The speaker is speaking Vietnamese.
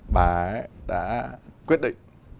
bà ấy đã quyết định